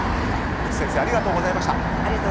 福地先生ありがとうございました。